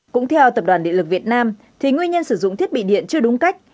cũng theo tập đoàn điện lực việt nam thì nguyên nhân sử dụng thiết bị điện chưa đúng cách